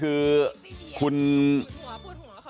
ดูท่าทางฝ่ายภรรยาหลวงประธานบริษัทจะมีความสุขที่สุดเลยนะเนี่ย